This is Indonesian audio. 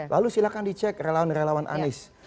lalu silakan dicek relawan relawan anies